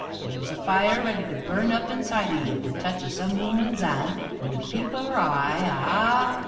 Theer's a fire ready to burn up inside o' ye at the touch o' some woman's 'and, or the peep o' 'er eye ah!